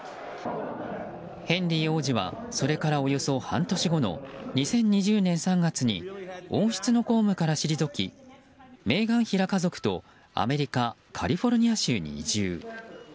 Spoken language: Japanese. ヘンリー王子はそれからおよそ半年後の２０２０年３月に王室の公務から退きメーガン妃ら家族とアメリカ・カリフォルニア州に移住。